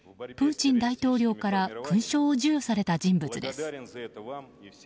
プーチン大統領から勲章を授与された人物です。